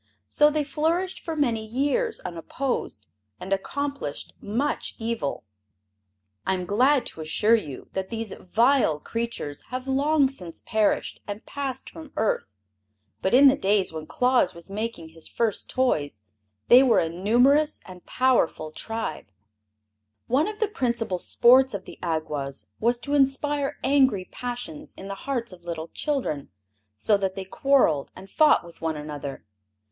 So they flourished for many years unopposed and accomplished much evil. I am glad to assure you that these vile creatures have long since perished and passed from earth; but in the days when Claus was making his first toys they were a numerous and powerful tribe. One of the principal sports of the Awgwas was to inspire angry passions in the hearts of little children, so that they quarreled and fought with one another.